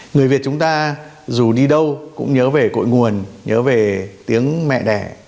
người việt chúng ta dù đi đâu cũng nhớ về cội nguồn nhớ về tiếng mẹ đẻ